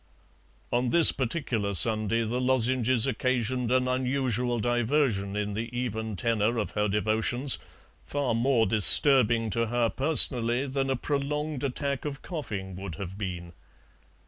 On this particular Sunday the lozenges occasioned an unusual diversion in the even tenor of her devotions, far more disturbing to her personally than a prolonged attack of coughing would have been.